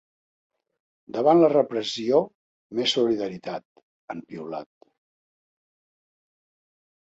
Davant la repressió més solidaritat, han piulat.